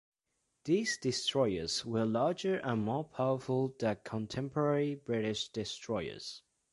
These destroyers were larger and more powerful than contemporary British destroyers.